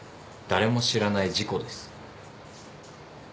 誰も知らない事故です。